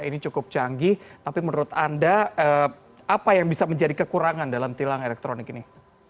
ini cukup canggih tapi menurut anda apa yang bisa menjadi kekurangan dalam tilang elektronik ini